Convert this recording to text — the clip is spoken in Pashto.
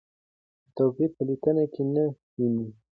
څه توپیر په لیکنه کې نه وینو؟